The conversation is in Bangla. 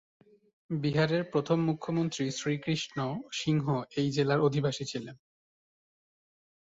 বিহারের প্রথম মুখ্যমন্ত্রী শ্রীকৃষ্ণ সিংহ এই জেলার অধিবাসী ছিলেন।